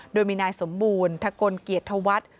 โดยมีนายสมบูรณ์ทะกลเกียรติธวัฒน์